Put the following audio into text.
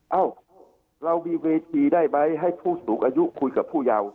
เอ้าเรามีเวทีได้ไหมให้ผู้สูงอายุคุยกับผู้เยาว์